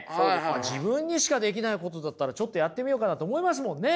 自分にしかできないことだったらちょっとやってみようかなと思いますもんね！